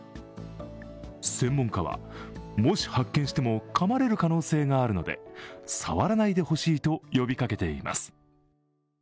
専門家は、もし発見しても噛まれる可能性があるので触らないでほしいと呼びかけています。